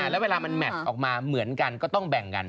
แล้วเวลามันแมทออกมาเหมือนกันก็ต้องแบ่งกัน